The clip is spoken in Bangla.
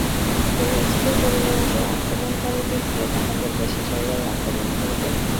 তিনি স্থির করিলেন যে, আক্রমণকারীদিগকে তাহাদের দেশে যাইয়াই আক্রমণ করিবেন।